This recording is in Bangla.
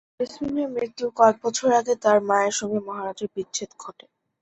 জেসমিনের মৃত্যুর কয়েক বছর আগে তাঁর মায়ের সঙ্গে মহারাজের বিচ্ছেদ ঘটে।